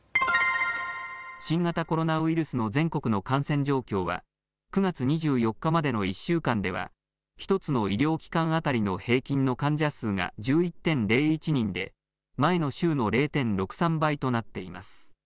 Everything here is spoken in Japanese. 新型コロナウイルスの全国の感染状況は９月２４日までの１週間では１つの医療機関当たりの平均の患者数が１１．０１人で前の週の０．６３倍となっています。